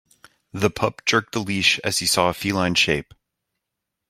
The pup jerked the leash as he saw a feline shape.